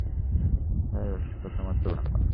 হেই, ওর সাথে তোমার তুলনা করবে না।